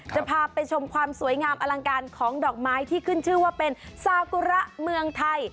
จะพาไปชมความสวยงามอลังการของดอกไม้ที่ขึ้นชื่อว่าเป็นซากุระเมืองไทย